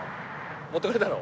持ってかれたの？